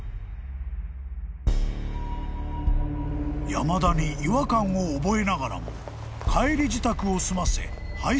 ［山田に違和感を覚えながらも帰り支度を済ませ廃村を後に］